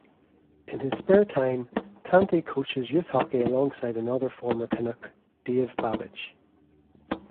In his spare time, Tanti coaches youth hockey alongside another former Canuck Dave Babych.